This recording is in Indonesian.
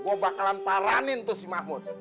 gue bakalan paranin tuh si mahmud